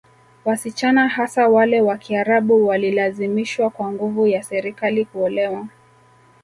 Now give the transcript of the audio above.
Wasichana hasa wale wa Kiarabu walilazimishwa kwa nguvu ya Serikali kuolewa